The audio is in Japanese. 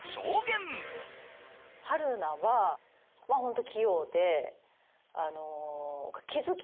春菜はホント。